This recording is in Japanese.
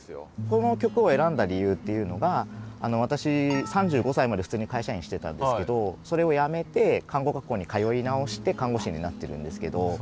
この曲を選んだ理由っていうのが私３５歳まで普通に会社員してたんですけどそれを辞めて看護学校に通い直して看護師になってるんですけど。